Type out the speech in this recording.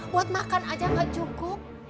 buat makan aja gak cukup